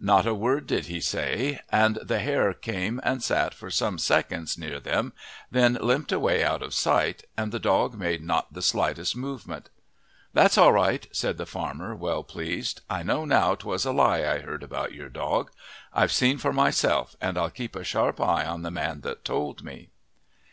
Not a word did he say, and the hare came and sat for some seconds near them, then limped away out of sight, and the dog made not the slightest movement. "That's all right," said the farmer, well pleased. "I know now 'twas a lie I heard about your dog. I've seen for myself and I'll just keep a sharp eye on the man that told me."